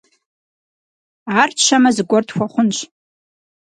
Ар тщэмэ, зыгуэр тхуэхъунщ.